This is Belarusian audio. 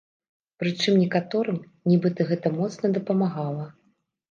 Прычым некаторым, нібыта, гэта моцна дапамагала.